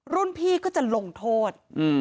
รุ่นพี่ก็จะลงโทษ